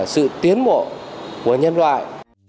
sự tiến mộ của nhân loại